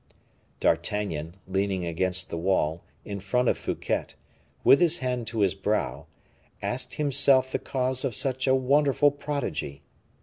D'Artagnan, leaning against the wall, in front of Fouquet, with his hand to his brow, asked himself the cause of such a wonderful prodigy.